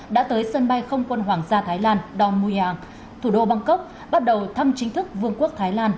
đã tới sân bay không quân hoàng gia thái lan đông mui hàng thủ đô bangkok bắt đầu thăm chính thức vương quốc thái lan